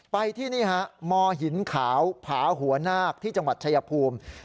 ไปที่นี่ฮะมหินขาวผาหัวนาคที่จังหวัดชายภูมิ